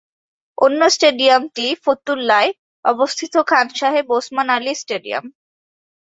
অন্য স্টেডিয়ামটি ফতুল্লায় অবস্থিত খান সাহেব ওসমান আলী স্টেডিয়াম।